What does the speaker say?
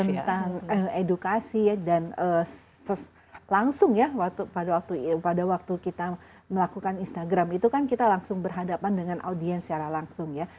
jadi tentang edukasi dan langsung ya pada waktu kita melakukan instagram itu kan kita langsung berhadapan dengan audiens secara langsung ya